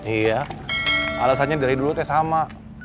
iya alasannya dari dulu teh sama